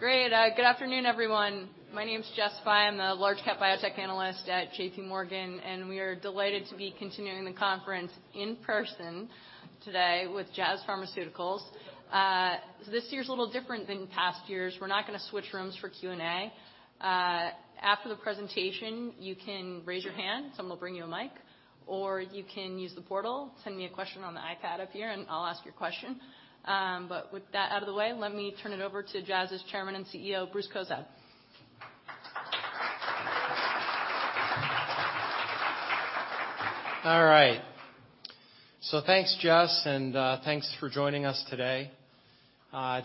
Great. Good afternoon, everyone. My name's Jess Fye. I'm the Large-Cap Biotech Analyst at JPMorgan, and we are delighted to be continuing the conference in person today with Jazz Pharmaceuticals. This year's a little different than past years. We're not going to switch rooms for Q&A. After the presentation, you can raise your hand, someone will bring you a mic, or you can use the portal. Send me a question on the iPad up here, and I'll ask your question. But with that out of the way, let me turn it over to Jazz Pharmaceuticals' Chairman and CEO, Bruce Cozadd. All right, so thanks, Jess, and thanks for joining us today.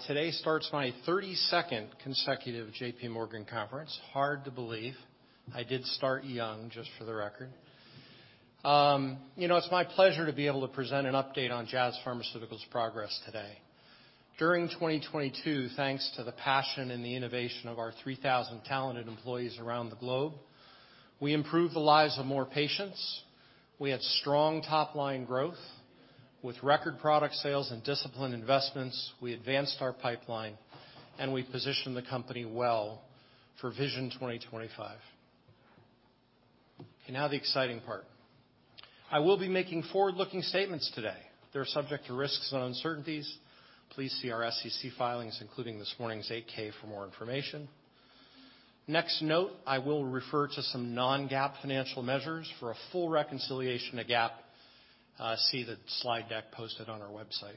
Today starts my 32nd consecutive JPMorgan conference. Hard to believe. I did start young, just for the record. You know, it's my pleasure to be able to present an update on Jazz Pharmaceuticals' progress today. During 2022, thanks to the passion and the innovation of our 3,000 talented employees around the globe, we improved the lives of more patients. We had strong top-line growth. With record product sales and disciplined investments, we advanced our pipeline, and we positioned the company well for Vision 2025. Okay, now the exciting part. I will be making forward-looking statements today. They're subject to risks and uncertainties. Please see our SEC filings, including this morning's 8-K, for more information. Next note, I will refer to some non-GAAP financial measures for a full reconciliation to GAAP. See the slide deck posted on our website.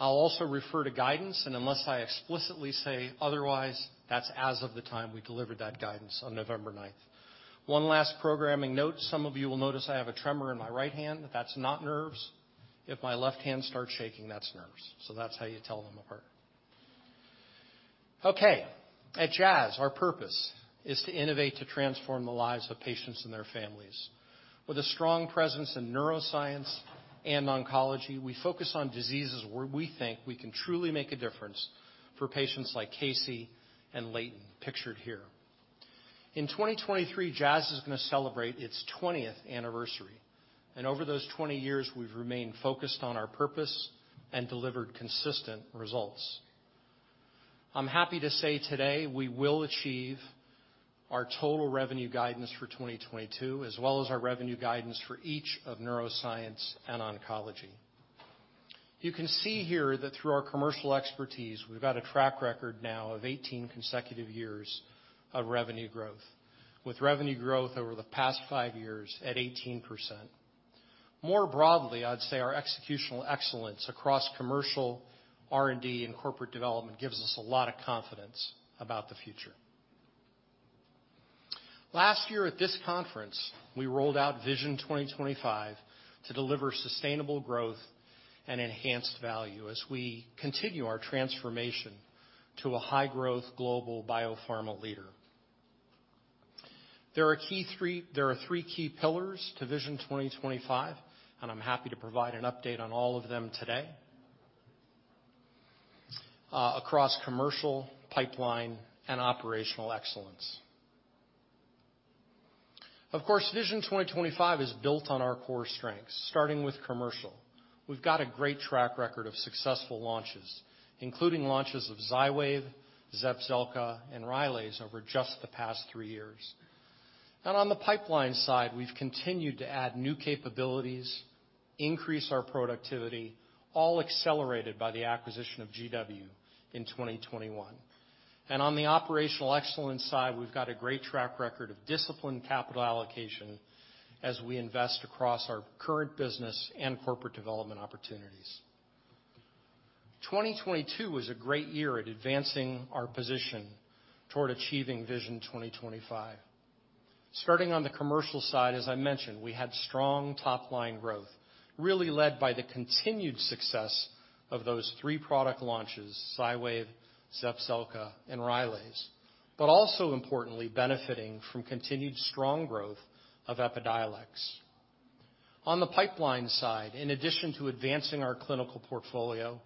I'll also refer to guidance, and unless I explicitly say otherwise, that's as of the time we delivered that guidance on November 9th. One last programming note: some of you will notice I have a tremor in my right hand. That's not nerves. If my left hand starts shaking, that's nerves. So that's how you tell them apart. Okay. At Jazz Pharmaceuticals, our purpose is to innovate to transform the lives of patients and their families. With a strong presence in neuroscience and oncology, we focus on diseases where we think we can truly make a difference for patients like Casey and Leighton, pictured here. In 2023, Jazz Pharmaceuticals is going to celebrate its 20th anniversary. And over those 20 years, we've remained focused on our purpose and delivered consistent results. I'm happy to say today we will achieve our total revenue guidance for 2022, as well as our revenue guidance for each of neuroscience and oncology. You can see here that through our commercial expertise, we've got a track record now of 18 consecutive years of revenue growth, with revenue growth over the past five years at 18%. More broadly, I'd say our executional excellence across commercial, R&D, and corporate development gives us a lot of confidence about the future. Last year, at this conference, we rolled out Vision 2025 to deliver sustainable growth and enhanced value as we continue our transformation to a high-growth global biopharma leader. There are three key pillars to Vision 2025, and I'm happy to provide an update on all of them today across commercial, pipeline, and operational excellence. Of course, Vision 2025 is built on our core strengths, starting with commercial. We've got a great track record of successful launches, including launches of Xywav, Zepzelca, and Rylaze over just the past three years. And on the pipeline side, we've continued to add new capabilities, increase our productivity, all accelerated by the acquisition of GW in 2021. And on the operational excellence side, we've got a great track record of disciplined capital allocation as we invest across our current business and corporate development opportunities. 2022 was a great year at advancing our position toward achieving Vision 2025. Starting on the commercial side, as I mentioned, we had strong top-line growth, really led by the continued success of those three product launches: Xywav, Zepzelca, and Rylaze, but also, importantly, benefiting from continued strong growth of EPIDIOLEX. On the pipeline side, in addition to advancing our clinical portfolio,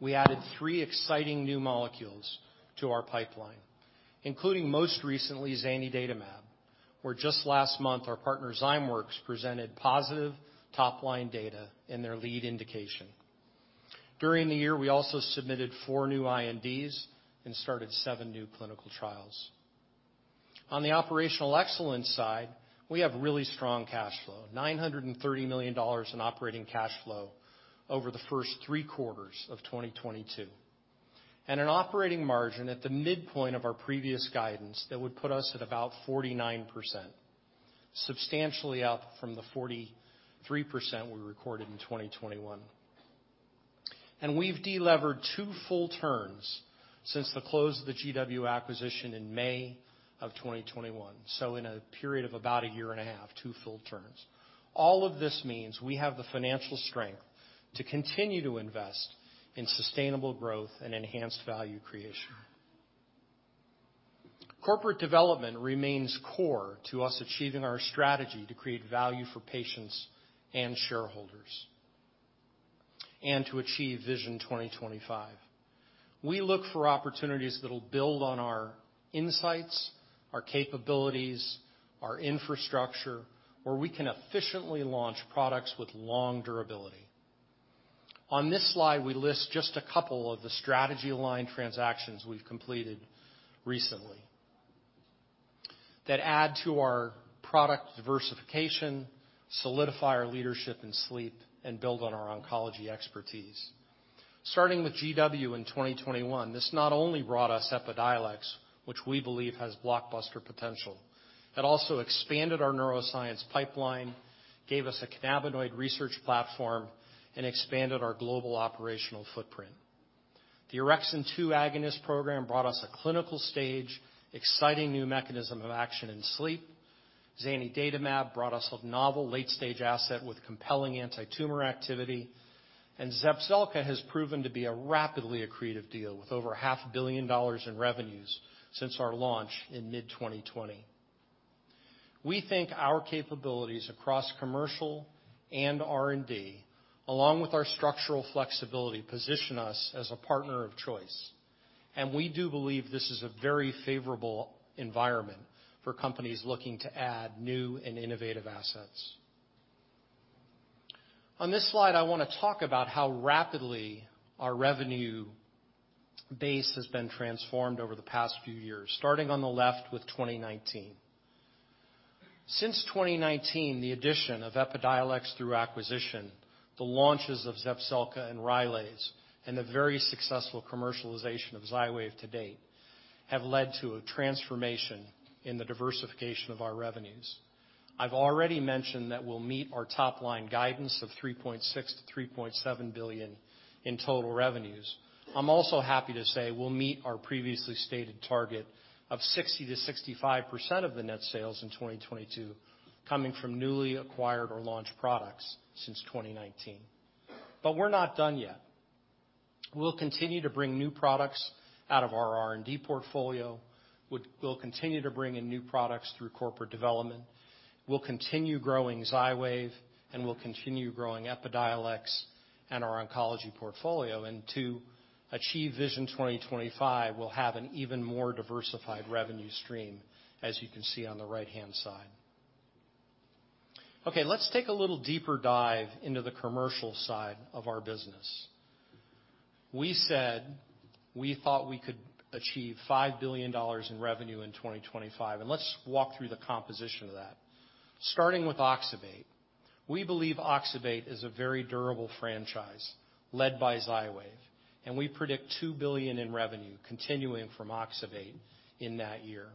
we added three exciting new molecules to our pipeline, including most recently Zanidatamab, where just last month our partner Zymeworks presented positive top-line data in their lead indication. During the year, we also submitted four new INDs and started seven new clinical trials. On the operational excellence side, we have really strong cash flow: $930 million in operating cash flow over the first three quarters of 2022, and an operating margin at the midpoint of our previous guidance that would put us at about 49%, substantially up from the 43% we recorded in 2021. And we've delevered two full turns since the close of the GW acquisition in May of 2021, so in a period of about a year and a half, two full turns. All of this means we have the financial strength to continue to invest in sustainable growth and enhanced value creation. Corporate development remains core to us achieving our strategy to create value for patients and shareholders and to achieve Vision 2025. We look for opportunities that'll build on our insights, our capabilities, our infrastructure, where we can efficiently launch products with long durability. On this slide, we list just a couple of the strategy-aligned transactions we've completed recently that add to our product diversification, solidify our leadership in sleep, and build on our oncology expertise. Starting with GW in 2021, this not only brought us EPIDIOLEX, which we believe has blockbuster potential. It also expanded our neuroscience pipeline, gave us a cannabinoid research platform, and expanded our global operational footprint. The orexin-2 agonist program brought us a clinical stage, exciting new mechanism of action in sleep. Zanidatamab brought us a novel late-stage asset with compelling anti-tumor activity. And Zepzelca has proven to be a rapidly accretive deal with over $500 million in revenues since our launch in mid-2020. We think our capabilities across commercial and R&D, along with our structural flexibility, position us as a partner of choice. And we do believe this is a very favorable environment for companies looking to add new and innovative assets. On this slide, I want to talk about how rapidly our revenue base has been transformed over the past few years, starting on the left with 2019. Since 2019, the addition of EPIDIOLEX through acquisition, the launches of Zepzelca and Rylaze, and the very successful commercialization of Xywav to date have led to a transformation in the diversification of our revenues. I've already mentioned that we'll meet our top-line guidance of $3.6 billion-$3.7 billion in total revenues. I'm also happy to say we'll meet our previously stated target of 60%-65% of the net sales in 2022 coming from newly acquired or launched products since 2019. But we're not done yet. We'll continue to bring new products out of our R&D portfolio. We'll continue to bring in new products through corporate development. We'll continue growing Xywav, and we'll continue growing EPIDIOLEX and our oncology portfolio. And to achieve Vision 2025, we'll have an even more diversified revenue stream, as you can see on the right-hand side. Okay, let's take a little deeper dive into the commercial side of our business. We said we thought we could achieve $5 billion in revenue in 2025. And let's walk through the composition of that. Starting with oxybate, we believe oxybate is a very durable franchise led by Xywav, and we predict $2 billion in revenue continuing from oxybate in that year.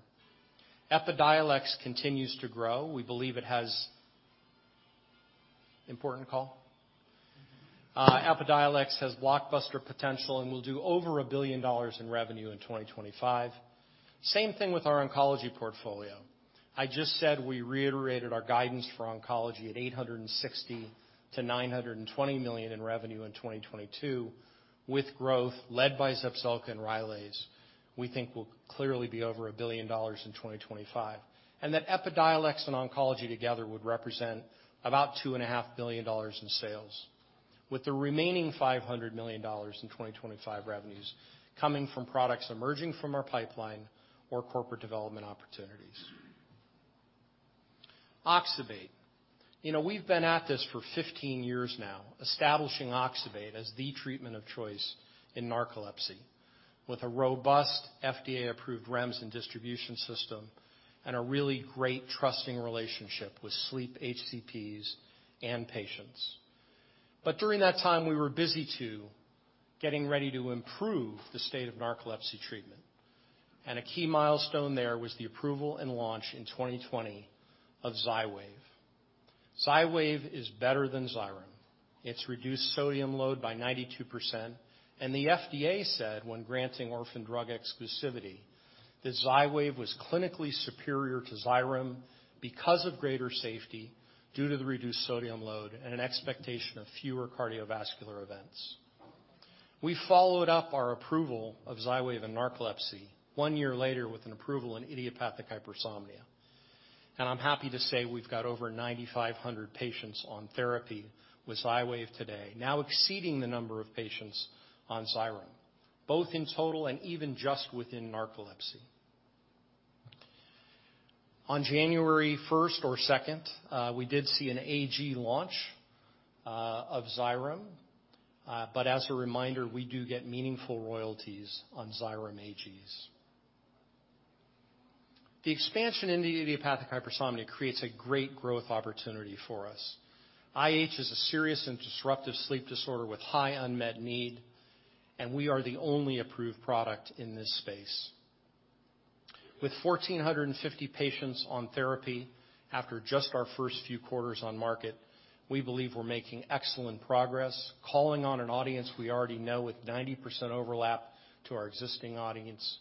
EPIDIOLEX continues to grow. We believe it has important call. EPIDIOLEX has blockbuster potential and will do over a billion dollars in revenue in 2025. Same thing with our oncology portfolio. I just said we reiterated our guidance for oncology at $860 million-$920 million in revenue in 2022, with growth led by Zepzelca and Rylaze. We think we'll clearly be over a billion dollars in 2025, and that EPIDIOLEX and oncology together would represent about $2.5 billion in sales, with the remaining $500 million in 2025 revenues coming from products emerging from our pipeline or corporate development opportunities. oxybate. You know, we've been at this for 15 years now, establishing oxybate as the treatment of choice in narcolepsy with a robust FDA-approved REMS and distribution system and a really great trusting relationship with sleep HCPs and patients. But during that time, we were busy too getting ready to improve the state of narcolepsy treatment. And a key milestone there was the approval and launch in 2020 of Xywav. Xywav is better than Xyrem. It's reduced sodium load by 92%. And the FDA said when granting orphan drug exclusivity that Xywav was clinically superior to Xyrem because of greater safety due to the reduced sodium load and an expectation of fewer cardiovascular events. We followed up our approval of Xywav in narcolepsy one year later with an approval in idiopathic hypersomnia. And I'm happy to say we've got over 9,500 patients on therapy with Xywav today, now exceeding the number of patients on Xyrem, both in total and even just within narcolepsy. On January 1st or 2nd, we did see an AG launch of Xyrem. But as a reminder, we do get meaningful royalties on Xyrem AGs. The expansion into idiopathic hypersomnia creates a great growth opportunity for us. IH is a serious and disruptive sleep disorder with high unmet need, and we are the only approved product in this space. With 1,450 patients on therapy after just our first few quarters on market, we believe we're making excellent progress, calling on an audience we already know with 90% overlap to our existing audience,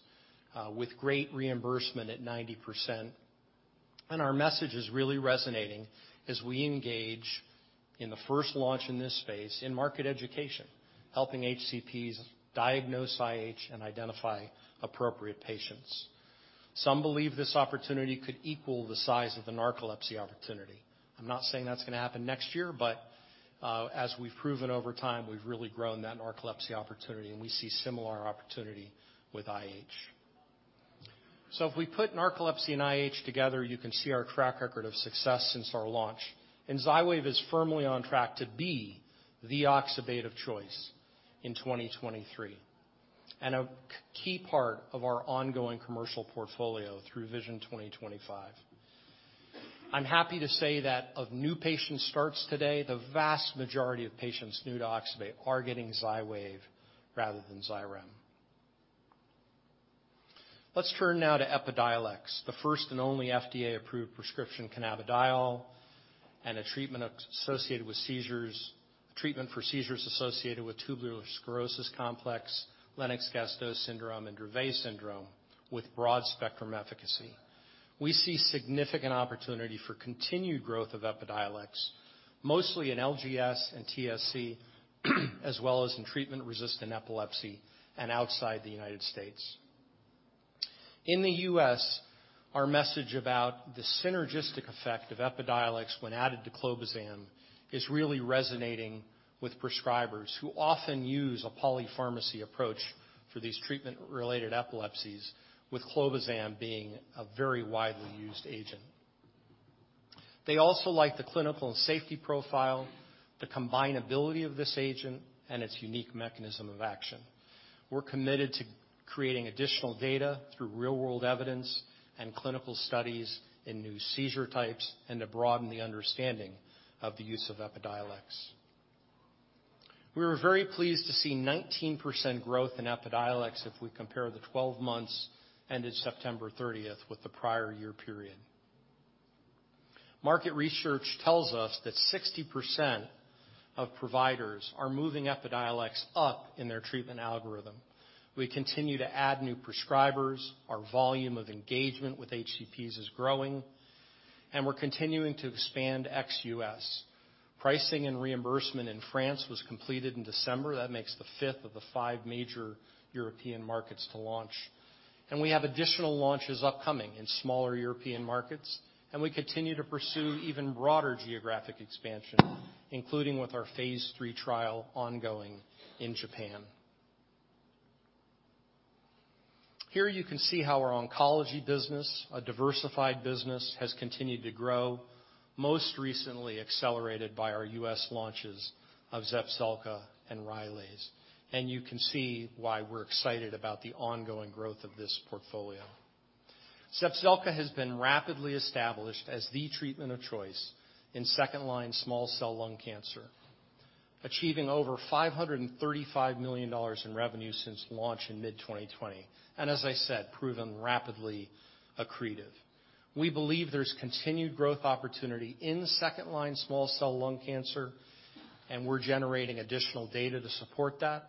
with great reimbursement at 90%. And our message is really resonating as we engage in the first launch in this space in market education, helping HCPs diagnose IH and identify appropriate patients. Some believe this opportunity could equal the size of the narcolepsy opportunity. I'm not saying that's going to happen next year, but as we've proven over time, we've really grown that narcolepsy opportunity, and we see similar opportunity with IH. So if we put narcolepsy and IH together, you can see our track record of success since our launch. And Xywav is firmly on track to be the oxybate of choice in 2023 and a key part of our ongoing commercial portfolio through Vision 2025. I'm happy to say that of new patient starts today, the vast majority of patients new to oxybate are getting Xywav rather than Xyrem. Let's turn now to EPIDIOLEX, the first and only FDA-approved prescription cannabidiol and a treatment associated with seizures, a treatment for seizures associated with tuberous sclerosis complex, Lennox-Gastaut syndrome, and Dravet syndrome with broad-spectrum efficacy. We see significant opportunity for continued growth of EPIDIOLEX, mostly in LGS and TSC, as well as in treatment-resistant epilepsy and outside the United States. In the U.S., our message about the synergistic effect of EPIDIOLEX when added to clobazam is really resonating with prescribers who often use a polypharmacy approach for these treatment-related epilepsies, with clobazam being a very widely used agent. They also like the clinical and safety profile, the combinability of this agent, and its unique mechanism of action. We're committed to creating additional data through real-world evidence and clinical studies in new seizure types and to broaden the understanding of the use of EPIDIOLEX. We were very pleased to see 19% growth in EPIDIOLEX if we compare the 12 months ended September 30th with the prior year period. Market research tells us that 60% of providers are moving EPIDIOLEX up in their treatment algorithm. We continue to add new prescribers. Our volume of engagement with HCPs is growing, and we're continuing to expand ex-U.S. Pricing and reimbursement in France was completed in December. That makes the 1/5 of the five major European markets to launch. And we have additional launches upcoming in smaller European markets, and we continue to pursue even broader geographic expansion, including with our phase III trial ongoing in Japan. Here you can see how our oncology business, a diversified business, has continued to grow, most recently accelerated by our U.S. launches of Zepzelca and Rylaze. And you can see why we're excited about the ongoing growth of this portfolio. Zepzelca has been rapidly established as the treatment of choice in second-line small cell lung cancer, achieving over $535 million in revenue since launch in mid-2020. And as I said, proven rapidly accretive. We believe there's continued growth opportunity in second-line small cell lung cancer, and we're generating additional data to support that.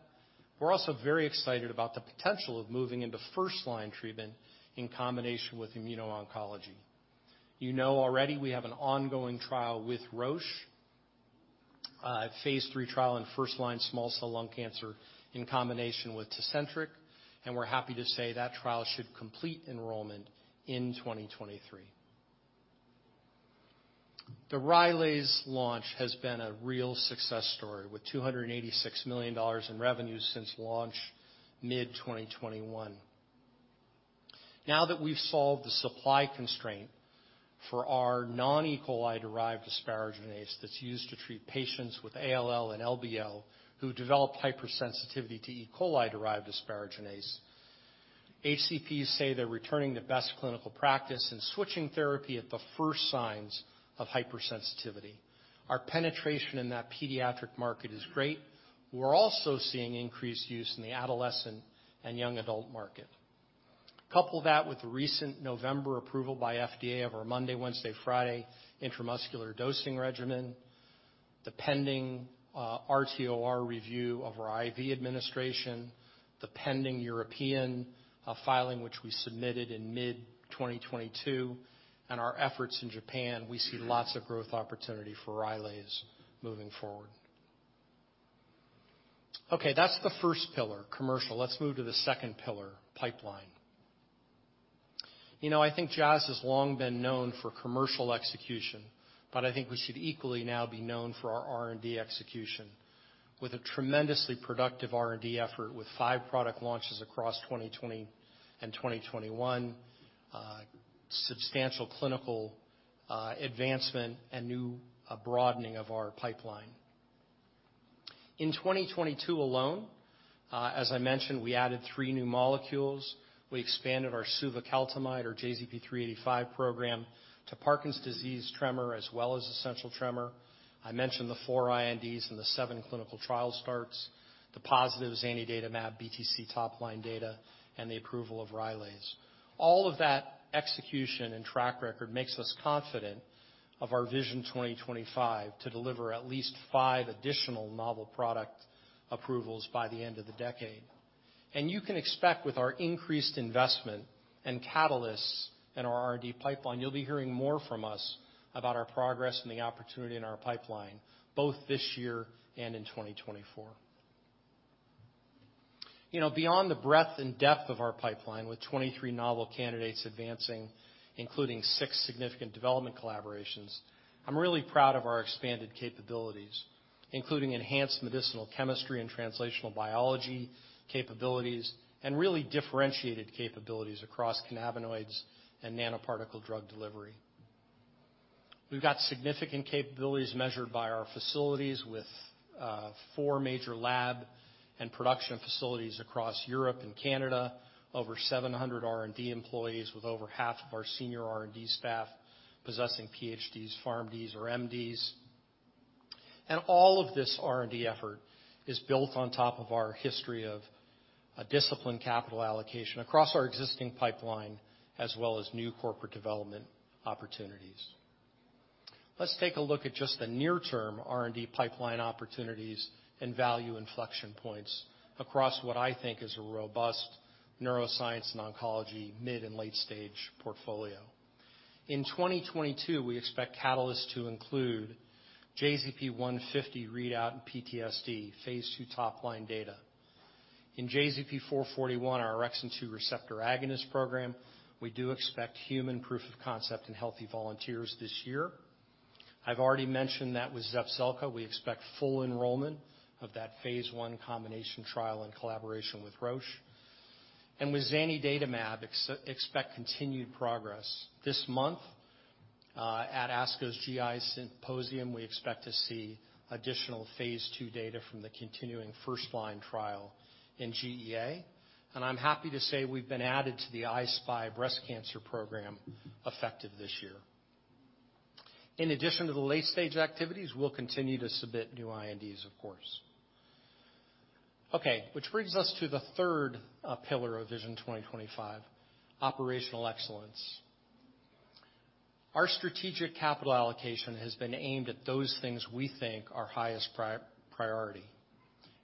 We're also very excited about the potential of moving into first-line treatment in combination with immuno-oncology. You know already we have an ongoing trial with Roche, a phase III trial in first-line small cell lung cancer in combination with Tecentriq. And we're happy to say that trial should complete enrollment in 2023. The Rylaze launch has been a real success story with $286 million in revenue since launch mid-2021. Now that we've solved the supply constraint for our non-E. coli-derived asparaginase that's used to treat patients with ALL and LBL who develop hypersensitivity to E. coli-derived asparaginase, HCPs say they're returning to best clinical practice and switching therapy at the first signs of hypersensitivity. Our penetration in that pediatric market is great. We're also seeing increased use in the adolescent and young adult market. Couple that with the recent November approval by FDA of our Monday, Wednesday, Friday intramuscular dosing regimen, the pending RTOR review of our IV administration, the pending European filing which we submitted in mid-2022, and our efforts in Japan, we see lots of growth opportunity for Rylaze moving forward. Okay, that's the first pillar, commercial. Let's move to the second pillar, pipeline. You know, I think Jazz Pharmaceuticals has long been known for commercial execution, but I think we should equally now be known for our R&D execution with a tremendously productive R&D effort with five product launches across 2020 and 2021, substantial clinical advancement, and new broadening of our pipeline. In 2022 alone, as I mentioned, we added three new molecules. We expanded our Suvecaltamide or JZP385 program to Parkinson's disease, tremor, as well as essential tremor. I mentioned the four INDs and the seven clinical trial starts, the positives, Zanidatamab, Zepzelca top-line data, and the approval of Rylaze. All of that execution and track record makes us confident of our Vision 2025 to deliver at least five additional novel product approvals by the end of the decade. You can expect with our increased investment and catalysts in our R&D pipeline, you'll be hearing more from us about our progress and the opportunity in our pipeline, both this year and in 2024. You know, beyond the breadth and depth of our pipeline with 23 novel candidates advancing, including six significant development collaborations, I'm really proud of our expanded capabilities, including enhanced medicinal chemistry and translational biology capabilities, and really differentiated capabilities across cannabinoids and nanoparticle drug delivery. We've got significant capabilities measured by our facilities with four major lab and production facilities across Europe and Canada, over 700 R&D employees with over half of our senior R&D staff possessing PhDs, PharmDs, or MDs. All of this R&D effort is built on top of our history of disciplined capital allocation across our existing pipeline, as well as new corporate development opportunities. Let's take a look at just the near-term R&D pipeline opportunities and value inflection points across what I think is a robust neuroscience and oncology mid- and late-stage portfolio. In 2022, we expect catalysts to include JZP150 readout and PTSD phase II top-line data. In JZP441, our orexin-2 receptor agonist program, we do expect human proof of concept and healthy volunteers this year. I've already mentioned that with Zepzelca, we expect full enrollment of that phase I combination trial in collaboration with Roche. And with Zanidatamab, expect continued progress. This month at ASCO's GI Symposium, we expect to see additional phase II data from the continuing first-line trial in GEA. And I'm happy to say we've been added to the I-SPY breast cancer program effective this year. In addition to the late-stage activities, we'll continue to submit new INDs, of course. Okay, which brings us to the third pillar of Vision 2025, operational excellence. Our strategic capital allocation has been aimed at those things we think are highest priority.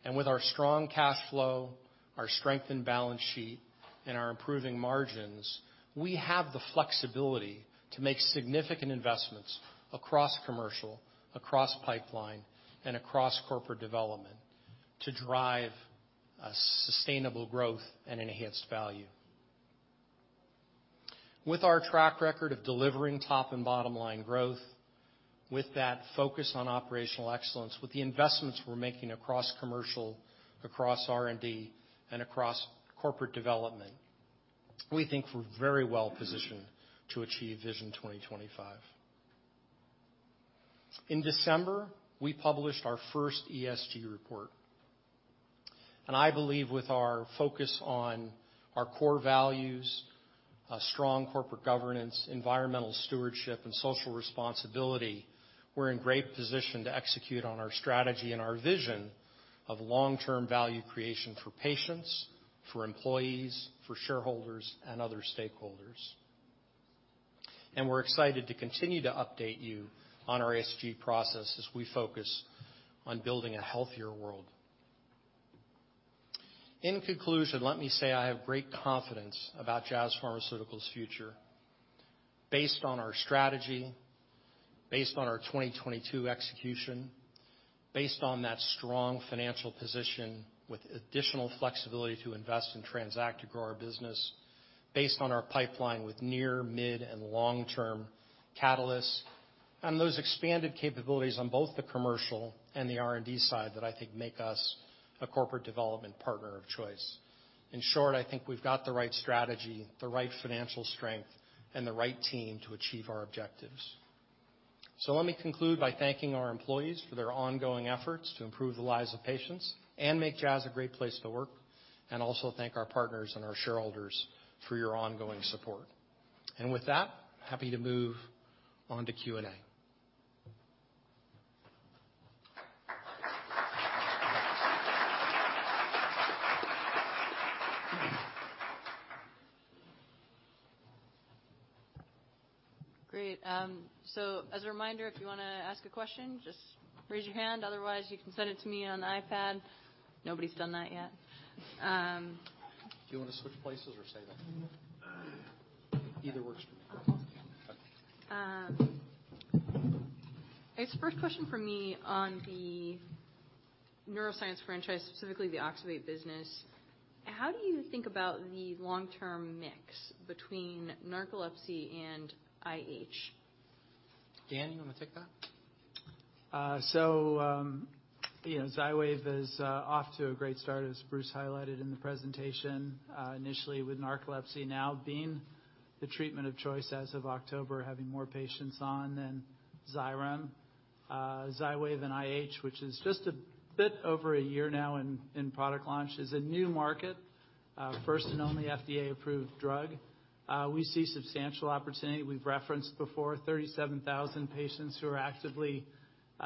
And with our strong cash flow, our strengthened balance sheet, and our improving margins, we have the flexibility to make significant investments across commercial, across pipeline, and across corporate development to drive sustainable growth and enhanced value. With our track record of delivering top and bottom-line growth, with that focus on operational excellence, with the investments we're making across commercial, across R&D, and across corporate development, we think we're very well positioned to achieve Vision 2025. In December, we published our first ESG report. I believe with our focus on our core values, strong corporate governance, environmental stewardship, and social responsibility, we're in great position to execute on our strategy and our vision of long-term value creation for patients, for employees, for shareholders, and other stakeholders. We're excited to continue to update you on our ESG process as we focus on building a healthier world. In conclusion, let me say I have great confidence about Jazz Pharmaceuticals' future based on our strategy, based on our 2022 execution, based on that strong financial position with additional flexibility to invest and transact to grow our business, based on our pipeline with near, mid, and long-term catalysts, and those expanded capabilities on both the commercial and the R&D side that I think make us a corporate development partner of choice. In short, I think we've got the right strategy, the right financial strength, and the right team to achieve our objectives. So let me conclude by thanking our employees for their ongoing efforts to improve the lives of patients and make Jazz a great place to work, and also thank our partners and our shareholders for your ongoing support. And with that, happy to move on to Q&A. Great. So as a reminder, if you want to ask a question, just raise your hand. Otherwise, you can send it to me on the iPad. Nobody's done that yet. Do you want to switch places or say that? Either works for me. Okay. First question for me on the neuroscience franchise, specifically the oxybate business. How do you think about the long-term mix between narcolepsy and IH? Dan, you want to take that? Xywav is off to a great start, as Bruce highlighted in the presentation. Initially with narcolepsy, now being the treatment of choice as of October, having more patients on than Xyrem. Xywav and IH, which is just a bit over a year now in product launch, is a new market, first and only FDA-approved drug. We see substantial opportunity. We've referenced before 37,000 patients who are actively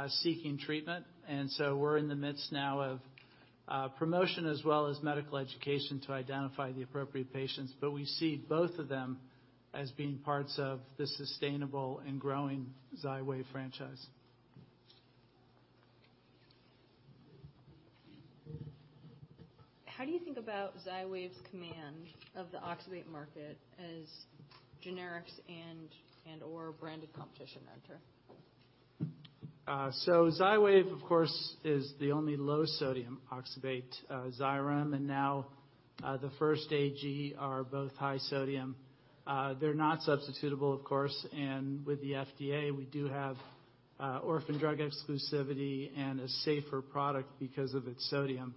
seeking treatment. And so we're in the midst now of promotion as well as medical education to identify the appropriate patients. But we see both of them as being parts of the sustainable and growing Xywav franchise. How do you think about Xywav's command of the oxybate market as generics and/or branded competition enter? So Xywav, of course, is the only low-sodium oxybate. Xyrem and now the first AG are both high-sodium. They're not substitutable, of course. And with the FDA, we do have orphan drug exclusivity and a safer product because of its sodium.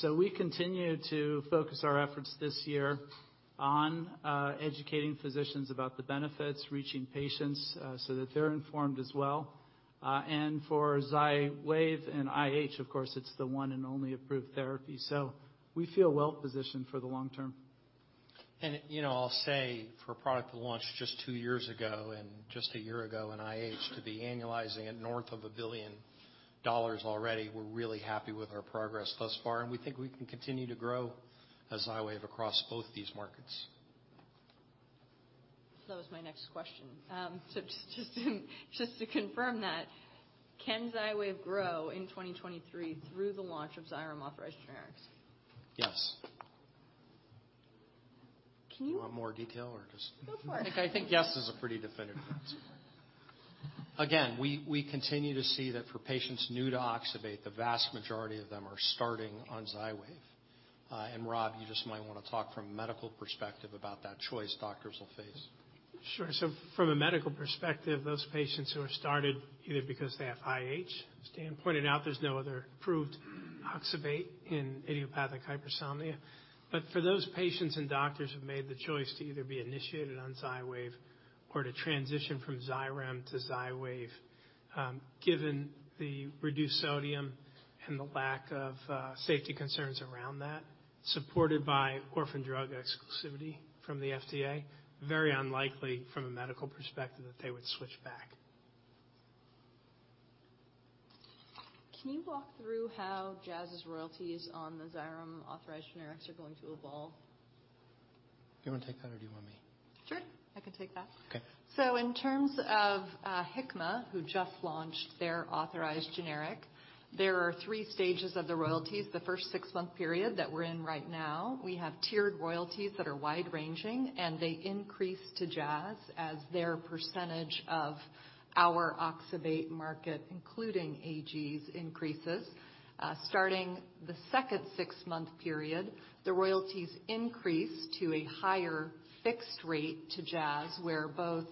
So we continue to focus our efforts this year on educating physicians about the benefits, reaching patients so that they're informed as well. And for Xywav and IH, of course, it's the one and only approved therapy. So we feel well positioned for the long term. You know, I'll say for a product that launched just two years ago and just a year ago in IH to be annualizing at north of $1 billion already, we're really happy with our progress thus far. We think we can continue to grow as Xywav across both these markets. That was my next question. So just to confirm that, can Xywav grow in 2023 through the launch of Xyrem authorized generics? Yes. Can you? Do you want more detail or just? Go for it. I think yes is a pretty definitive answer. Again, we continue to see that for patients new to oxybate, the vast majority of them are starting on Xywav, and Rob, you just might want to talk from a medical perspective about that choice doctors will face. Sure. So from a medical perspective, those patients who are started either because they have IH, Dan pointed out there's no other proven oxybate in idiopathic hypersomnia. But for those patients and doctors who have made the choice to either be initiated on Xywav or to transition from Xyrem to Xywav, given the reduced sodium and the lack of safety concerns around that, supported by orphan drug exclusivity from the FDA, very unlikely from a medical perspective that they would switch back. Can you walk through how Jazz's royalties on the Xyrem authorized generics are going to evolve? Do you want to take that or do you want me? Sure. I can take that. Okay. In terms of Hikma, who just launched their authorized generic, there are three stages of the royalties. The first six-month period that we're in right now, we have tiered royalties that are wide-ranging, and they increase to Jazz Pharmaceuticals as their percentage of our oxybate market, including AGs, increases. Starting the second six-month period, the royalties increase to a higher fixed rate to Jazz Pharmaceuticals, where both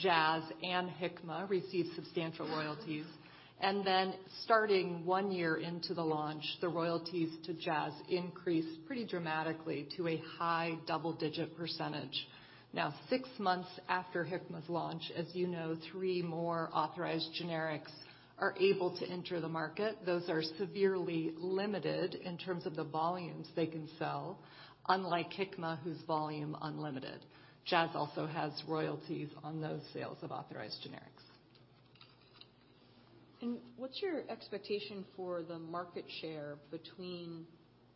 Jazz Pharmaceuticals and Hikma receive substantial royalties. And then starting one year into the launch, the royalties to Jazz Pharmaceuticals increase pretty dramatically to a high double-digit %. Now, six months after Hikma's launch, as you know, three more authorized generics are able to enter the market. Those are severely limited in terms of the volumes they can sell, unlike Hikma, whose volume is unlimited. Jazz Pharmaceuticals also has royalties on those sales of authorized generics. What's your expectation for the market share between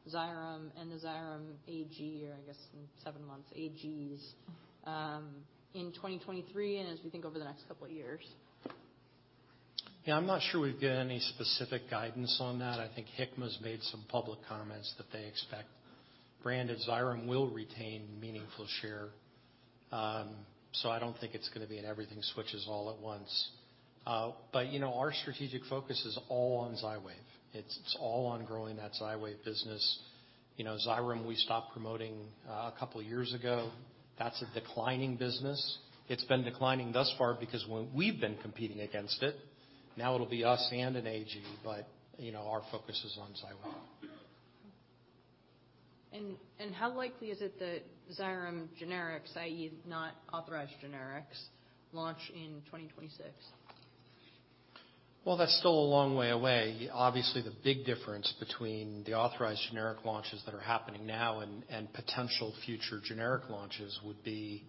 Xyrem and the Xyrem AG, or I guess in seven months, AGs in 2023 and as we think over the next couple of years? Yeah, I'm not sure we've got any specific guidance on that. I think Hikma's made some public comments that they expect branded Xyrem will retain a meaningful share. So I don't think it's going to be and everything switches all at once. But you know our strategic focus is all on Xywav. It's all on growing that Xywav business. You know Xyrem, we stopped promoting a couple of years ago. That's a declining business. It's been declining thus far because when we've been competing against it, now it'll be us and an AG, but you know our focus is on Xywav. How likely is it that Xyrem generics, i.e., not authorized generics, launch in 2026? That's still a long way away. Obviously, the big difference between the authorized generic launches that are happening now and potential future generic launches would be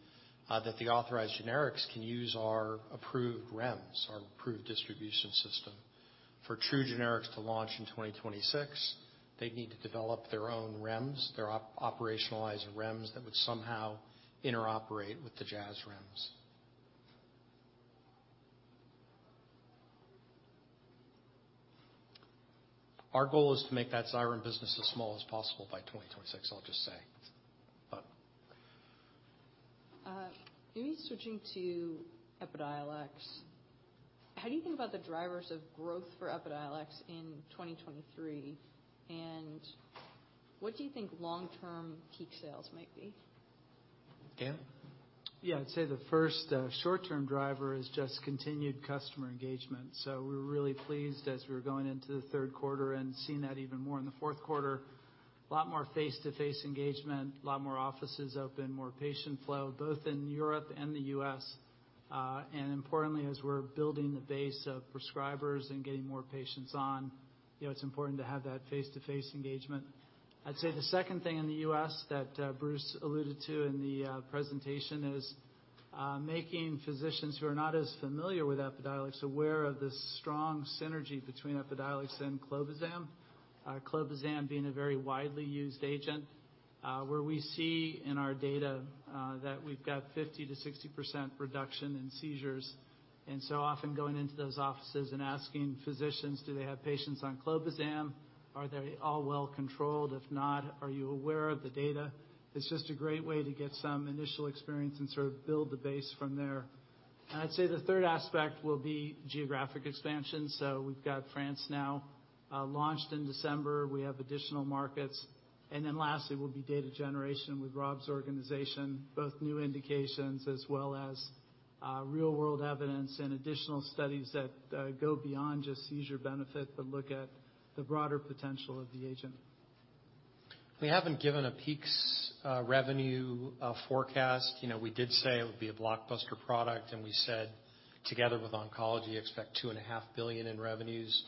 that the authorized generics can use our approved REMS, our approved distribution system. For true generics to launch in 2026, they'd need to develop their own REMS, their operationalized REMS that would somehow interoperate with the Jazz REMS. Our goal is to make that Xyrem business as small as possible by 2026, I'll just say. Maybe switching to EPIDIOLEX, how do you think about the drivers of growth for EPIDIOLEX in 2023? What do you think long-term peak sales might be? Dan? Yeah, I'd say the first short-term driver is just continued customer engagement. So we were really pleased as we were going into the third quarter and seeing that even more in the fourth quarter. A lot more face-to-face engagement, a lot more offices open, more patient flow, both in Europe and the U.S. And importantly, as we're building the base of prescribers and getting more patients on, you know it's important to have that face-to-face engagement. I'd say the second thing in the U.S. that Bruce alluded to in the presentation is making physicians who are not as familiar with EPIDIOLEX aware of the strong synergy between EPIDIOLEX and clobazam, clobazam being a very widely used agent, where we see in our data that we've got 50%-60% reduction in seizures. And so often going into those offices and asking physicians, do they have patients on clobazam? Are they all well controlled? If not, are you aware of the data? It's just a great way to get some initial experience and sort of build the base from there. And I'd say the third aspect will be geographic expansion. So we've got France now launched in December. We have additional markets. And then lastly, it will be data generation with Rob's organization, both new indications as well as real-world evidence and additional studies that go beyond just seizure benefit, but look at the broader potential of the agent. We haven't given a peak revenue forecast. You know we did say it would be a blockbuster product, and we said together with oncology, expect $2.5 billion in revenues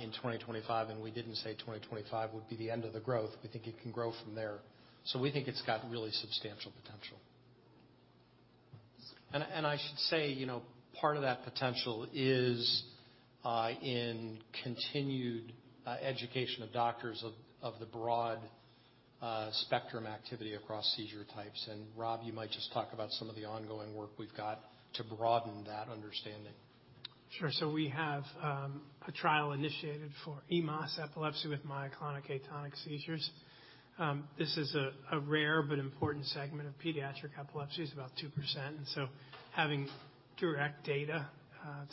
in 2025. And we didn't say 2025 would be the end of the growth. We think it can grow from there. So we think it's got really substantial potential. And I should say, you know part of that potential is in continued education of doctors of the broad spectrum activity across seizure types. And Rob, you might just talk about some of the ongoing work we've got to broaden that understanding. Sure. So we have a trial initiated for EMAS, epilepsy with myoclonic-atonic seizures. This is a rare but important segment of pediatric epilepsy, is about 2%. And so having direct data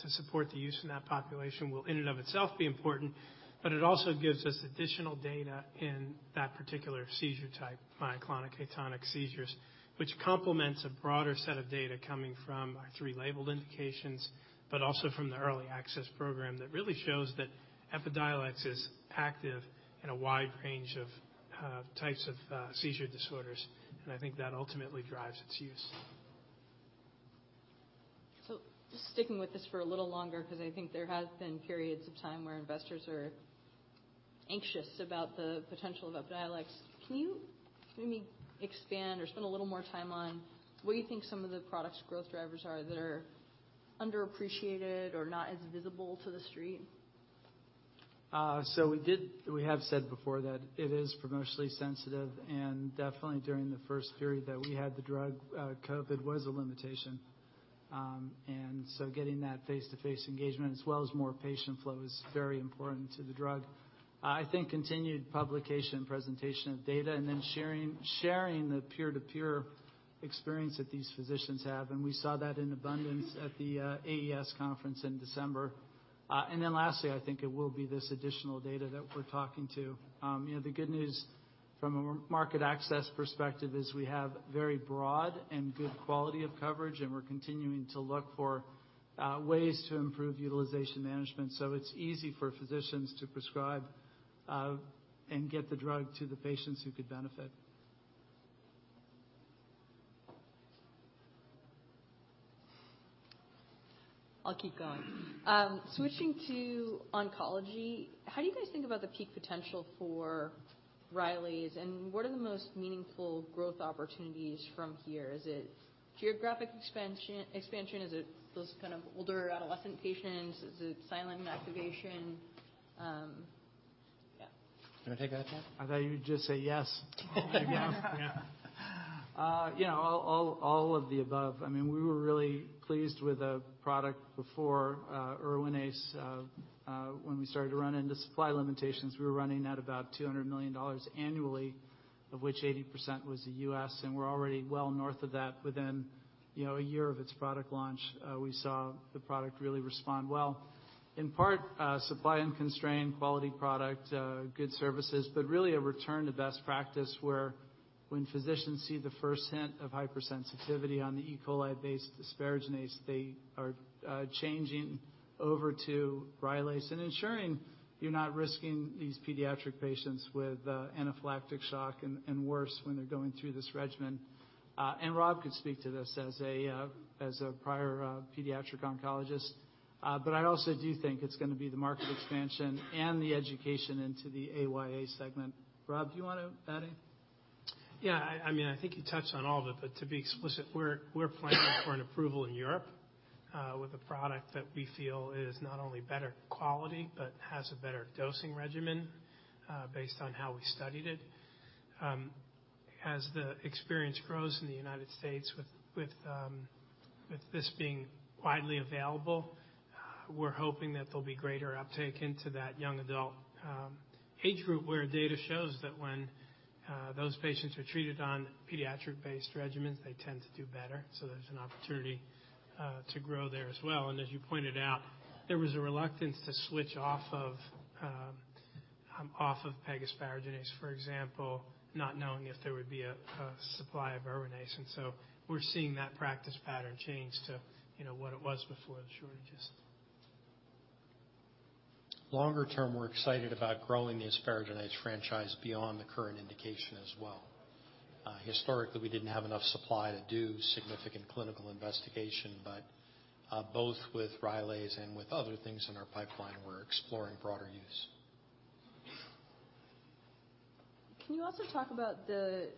to support the use in that population will in and of itself be important, but it also gives us additional data in that particular seizure type, myoclonic-atonic seizures, which complements a broader set of data coming from our three labeled indications, but also from the early access program that really shows that EPIDIOLEX is active in a wide range of types of seizure disorders. And I think that ultimately drives its use. Just sticking with this for a little longer, because I think there have been periods of time where investors are anxious about the potential of EPIDIOLEX. Can you maybe expand or spend a little more time on what you think some of the product's growth drivers are that are underappreciated or not as visible to the street? So we have said before that it is commercially sensitive. And definitely during the first period that we had the drug, COVID was a limitation. And so getting that face-to-face engagement as well as more patient flow is very important to the drug. I think continued publication and presentation of data and then sharing the peer-to-peer experience that these physicians have. And we saw that in abundance at the AES conference in December. And then lastly, I think it will be this additional data that we're talking to. You know, the good news from a market access perspective is we have very broad and good quality of coverage, and we're continuing to look for ways to improve utilization management. So it's easy for physicians to prescribe and get the drug to the patients who could benefit. I'll keep going. Switching to oncology, how do you guys think about the peak potential for Rylaze? And what are the most meaningful growth opportunities from here? Is it geographic expansion? Is it those kind of older adolescent patients? Is it silent activation? Yeah. Can I take that, Rob? I thought you would just say yes. Yeah. You know all of the above. I mean, we were really pleased with a product before Erwinaze. When we started to run into supply limitations, we were running at about $200 million annually, of which 80% was the U.S., and we're already well north of that. Within a year of its product launch, we saw the product really respond well. In part, supply and constraint, quality product, good services, but really a return to best practice where when physicians see the first hint of hypersensitivity on the E. coli-based asparaginase, they are changing over to Rylaze and ensuring you're not risking these pediatric patients with anaphylactic shock and worse when they're going through this regimen, and Rob could speak to this as a prior pediatric oncologist, but I also do think it's going to be the market expansion and the education into the AYA segment. Rob, do you want to add anything? Yeah. I mean, I think you touched on all of it, but to be explicit, we're planning for an approval in Europe with a product that we feel is not only better quality, but has a better dosing regimen based on how we studied it. As the experience grows in the United States with this being widely available, we're hoping that there'll be greater uptake into that young adult age group where data shows that when those patients are treated on pediatric-based regimens, they tend to do better. So there's an opportunity to grow there as well. And as you pointed out, there was a reluctance to switch off of PEG asparaginase, for example, not knowing if there would be a supply of Erwinaze. And so we're seeing that practice pattern change to what it was before the shortages. Longer term, we're excited about growing the asparaginase franchise beyond the current indication as well. Historically, we didn't have enough supply to do significant clinical investigation, but both with Rylaze and with other things in our pipeline, we're exploring broader use. Can you also talk about the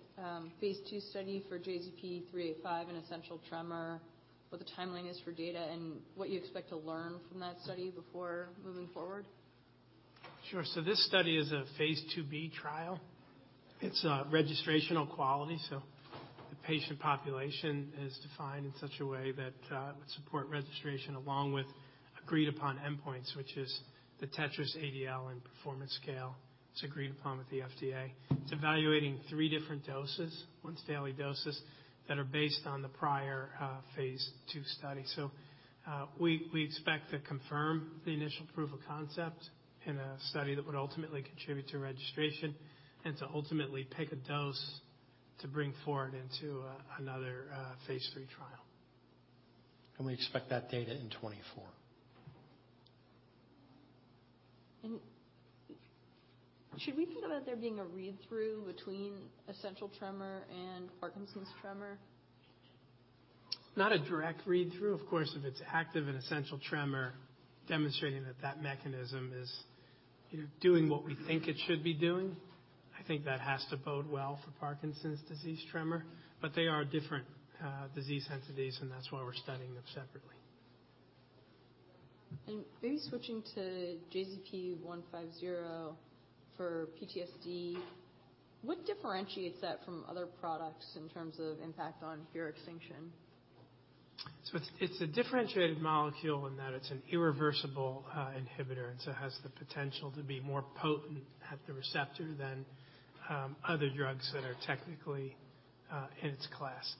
phase II study for JZP385 and essential tremor, what the timeline is for data, and what you expect to learn from that study before moving forward? Sure. So this study is a phase IIb trial. It's a registrational quality. So the patient population is defined in such a way that it would support registration along with agreed-upon endpoints, which is the TETRAS-ADL and performance scale. It's agreed upon with the FDA. It's evaluating three different doses, once-daily doses, that are based on the prior phase II study. So we expect to confirm the initial proof of concept in a study that would ultimately contribute to registration and to ultimately pick a dose to bring forward into another phase III trial. We expect that data in 2024. Should we think about there being a read-through between essential tremor and Parkinson's tremor? Not a direct read-through. Of course, if it's active in essential tremor, demonstrating that that mechanism is doing what we think it should be doing, I think that has to bode well for Parkinson's disease tremor. But they are different disease entities, and that's why we're studying them separately. Maybe switching to JZP150 for PTSD, what differentiates that from other products in terms of impact on fear extinction? So it's a differentiated molecule in that it's an irreversible inhibitor, and so it has the potential to be more potent at the receptor than other drugs that are technically in its class.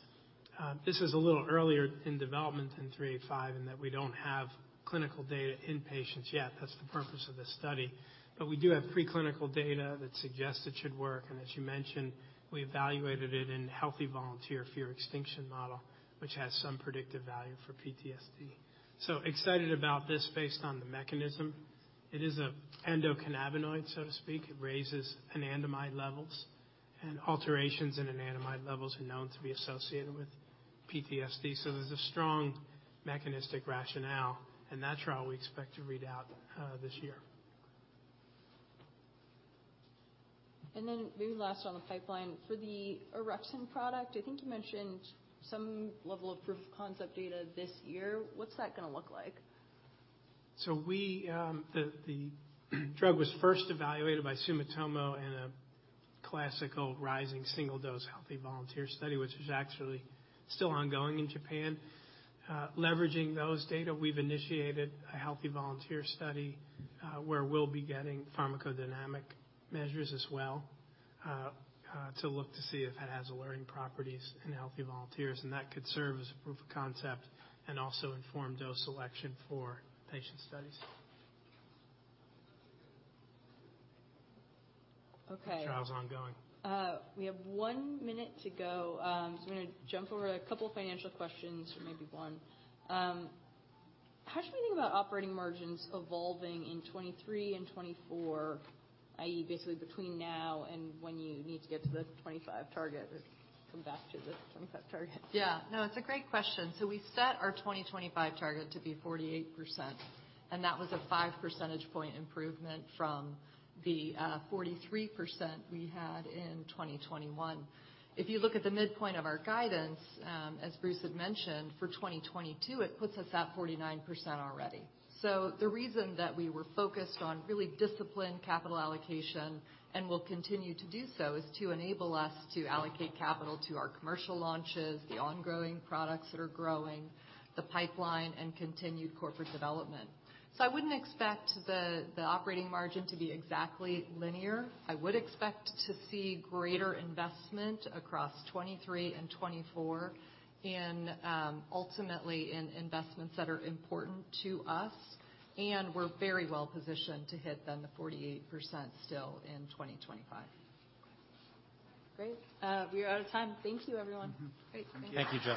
This is a little earlier in development than JZP385 in that we don't have clinical data in patients yet. That's the purpose of this study. But we do have preclinical data that suggests it should work. And as you mentioned, we evaluated it in healthy volunteer fear extinction model, which has some predictive value for PTSD. So excited about this based on the mechanism. It is an endocannabinoid, so to speak. It raises anandamide levels. And alterations in anandamide levels are known to be associated with PTSD. So there's a strong mechanistic rationale, and that trial we expect to read out this year. And then maybe last on the pipeline, for the orexin product, I think you mentioned some level of proof of concept data this year. What's that going to look like? The drug was first evaluated by Sumitomo in a classical rising single-dose healthy volunteer study, which is actually still ongoing in Japan. Leveraging those data, we've initiated a healthy volunteer study where we'll be getting pharmacodynamic measures as well to look to see if it has alerting properties in healthy volunteers. That could serve as a proof of concept and also inform dose selection for patient studies. Okay. The trial's ongoing. We have one minute to go. So I'm going to jump over a couple of financial questions, or maybe one. How should we think about operating margins evolving in 2023 and 2024, i.e., basically between now and when you need to get to the 2025 target or come back to the 2025 target? Yeah. No, it's a great question. So we set our 2025 target to be 48%, and that was a 5 percentage point improvement from the 43% we had in 2021. If you look at the midpoint of our guidance, as Bruce had mentioned, for 2022, it puts us at 49% already. So the reason that we were focused on really disciplined capital allocation and will continue to do so is to enable us to allocate capital to our commercial launches, the ongoing products that are growing, the pipeline, and continued corporate development. So I wouldn't expect the operating margin to be exactly linear. I would expect to see greater investment across 2023 and 2024, and ultimately in investments that are important to us. And we're very well positioned to hit then the 48% still in 2025. Great. We are out of time. Thank you, everyone. Thank you.